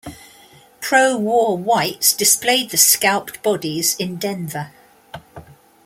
Pro-war whites displayed the scalped bodies in Denver.